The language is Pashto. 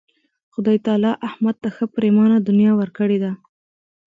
خدای تعالی احمد ته ښه پرېمانه دنیا ورکړې ده.